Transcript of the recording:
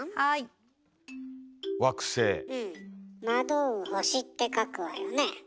「惑う星」って書くわよね。